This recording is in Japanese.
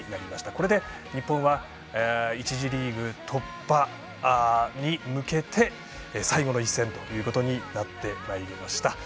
これで日本は１次リーグ突破に向けて最後の一戦ということになってまいりました。